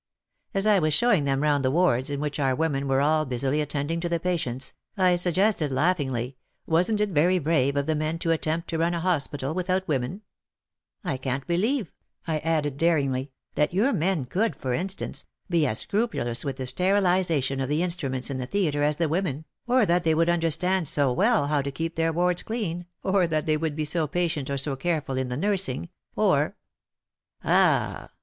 As I was showing them round the wards in which our women were all busily attending to the patients, I suggested laughingly, wasn't It very brave of the men to attempt to run a hospital without women ?I can't believe," I added, daringly, "that your men could, for Instance, be as scrupulous with the sterilization of the instruments in the theatre as the women, or that they would understand so well how to keep their wards clean, or that they would be so patient or so careful In the nursing, or " "Ah!"